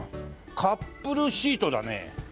カップルシートだね。